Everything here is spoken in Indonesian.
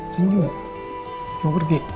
sini mau pergi